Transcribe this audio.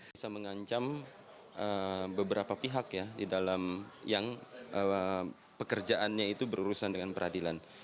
bisa mengancam beberapa pihak ya di dalam yang pekerjaannya itu berurusan dengan peradilan